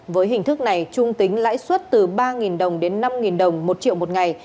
với hình thức này trung tính lãi suất từ ba đồng đến năm đồng một triệu một ngày